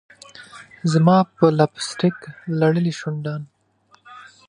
زما په لپ سټک لړلي شونډان